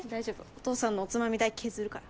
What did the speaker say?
お父さんのおつまみ代削るから。